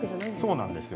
そうなんですよ。